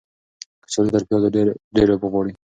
کچالو تر پیازو ډیرې اوبه غواړي.